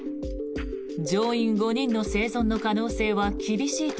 乗員５人の生存の可能性は厳しいと